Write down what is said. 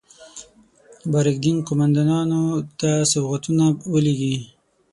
بارک دین قوماندانانو ته سوغاتونه ولېږي.